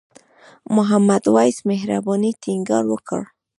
محمد وېس مهربان ټینګار وکړ.